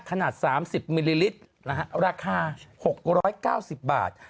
ขนาด๓๐มิลลิตรนะฮะราคา๖๙๐บาท